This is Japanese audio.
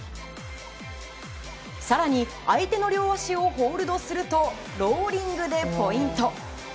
更に相手の両足をホールドするとローリングでポイント。